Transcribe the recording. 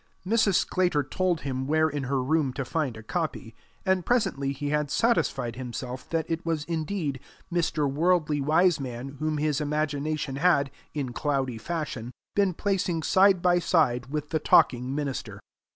Mrs. Sclater told him where in her room to find a copy, and presently he had satisfied himself that it was indeed Mr. Worldly Wiseman whom his imagination had, in cloudy fashion, been placing side by side with the talking minister.